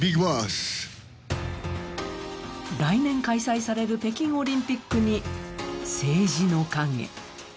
来年開催される北京オリンピックに政治の影。